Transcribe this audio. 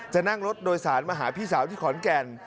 จะนั่งรถโดยสารมาหาพี่สาวที่ขอนแก่น